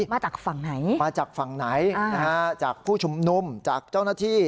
มาจากฝั่งไหนมาจากฝั่งไหนนะฮะจากผู้ชุมนุมจากเจ้าหน้าที่